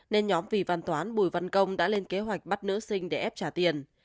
nên nhóm vì văn toán bùi văn công đã lên kế hoạch bắt nữ sinh để ép trả tiền